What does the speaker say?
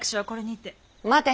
待て！